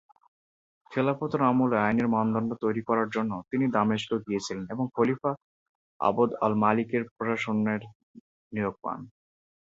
খেলাফতের আমলে আইনের মানদণ্ড তৈরী করার জন্য তিনি দামেস্কে গিয়েছিলেন এবং খলিফা আবদ আল-মালিকের প্রশাসনের নিয়োগ পান।